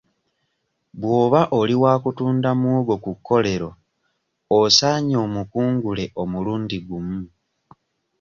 Bw'oba oli wa kutunda muwogo ku kkolero osaanye omukungule omulundi gumu.